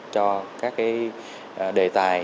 cho các cái đề tài